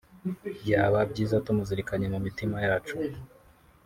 Byaba byiza tumuzirikanye mu mitima yacu